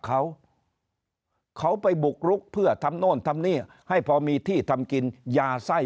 เขาเขาไปบุกรุกเพื่อทำโน่นทำนี่ให้พอมีที่ทำกินยาไส้